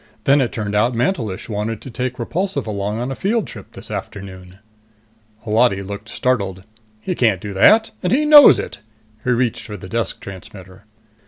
Then it turned out Mantelish wanted to take Repulsive along on a field trip this afternoon." Holati looked startled. "He can't do that, and he knows it!" He reached for the desk transmitter.